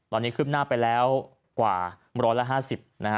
ตอนนี้ขึ้นหน้าไปแล้วกว่า๑๐๐และ๕๐